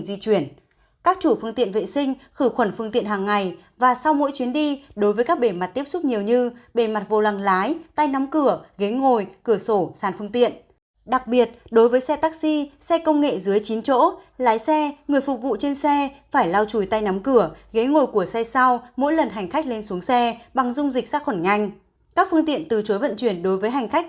tổ chức vệ sinh khử khuẩn phương tiện hàng ngày và sau mỗi chuyến đi yêu cầu người lái xe nhân viên phục vụ trên xe chỉ dừng nỗ dọc đường ăn uống vệ sinh đúng các điểm đã ghi trong lệnh vận chuyển hành khách